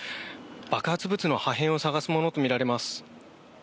爆発物の破片を捜すものとみられます。